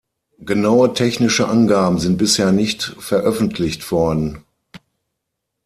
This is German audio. Genaue technische Angaben sind bisher nicht veröffentlicht worden.